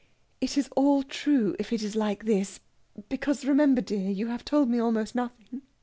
It is all true if it is like this, because remember, dear, you have told me almost nothing....